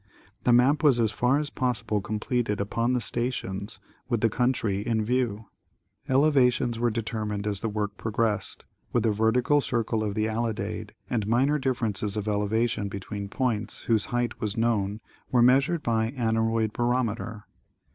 The map was as far as possible completed upon the stations, with the country in view. Elevations were determined as the work progressed, with the vertical circle of the alidade, and minor differences of elevation between points whose height was known were measured by aneroid barometer.